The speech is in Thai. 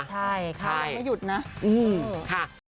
ใช่ค่ะยังไม่หยุดนะ